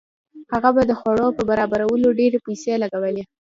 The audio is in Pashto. هغه به د خوړو په برابرولو ډېرې پیسې لګولې.